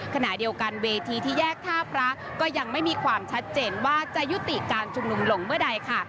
ขณะเดียวกันเวทีที่แยกท่าพระก็ยังไม่มีความชัดเจนว่าจะยุติการชุมนุมลงเมื่อใดค่ะ